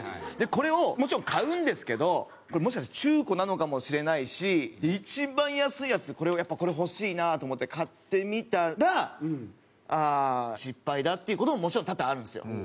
これをもちろん買うんですけどもしかしたら中古なのかもしれないし一番安いやつやっぱこれ欲しいなと思って買ってみたらああ失敗だっていう事ももちろん多々あるんですよ。